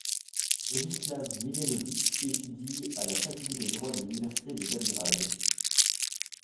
Vojislav Mihailović étudie à la Faculté de droit de l'université de Belgrade.